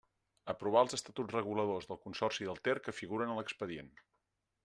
Aprovar els estatuts reguladors del Consorci del Ter que figuren a l'expedient.